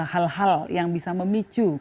hal hal yang bisa memicu